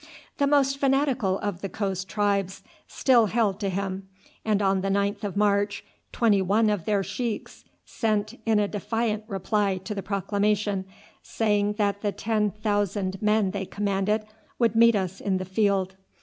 The most fanatical of the coast tribes still held to him, and on the 9th of March twenty one of their sheiks sent in a defiant reply to the proclamation, saying that the ten thousand men they commanded would meet us in the field.